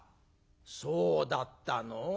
「そうだったの？